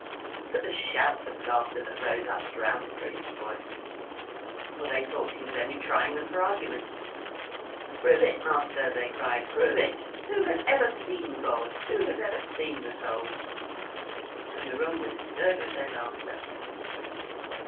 But the shouts of laughter that rose up drowned the priest's voice, for they thought he was only trying them for argument. "Prove it, master," they cried. "Prove it. Who has ever seen God? Who has ever seen the soul?" And the room was stirred with their laughter.